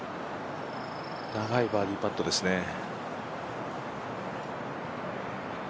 長いバーディーパットですね。